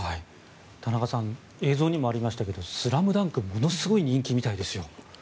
田中さん映像にもありましたが「ＳＬＡＭＤＵＮＫ」ものすごい人気みたいですよ。